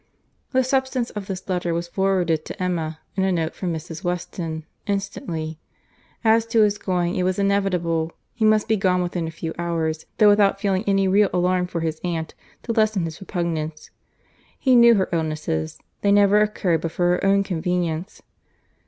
The substance of this letter was forwarded to Emma, in a note from Mrs. Weston, instantly. As to his going, it was inevitable. He must be gone within a few hours, though without feeling any real alarm for his aunt, to lessen his repugnance. He knew her illnesses; they never occurred but for her own convenience.